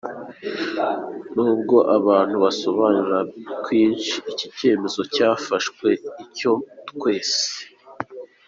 Nubwo abantu basobanura kwinshi iki icyemezo cyafashwe, icyo twese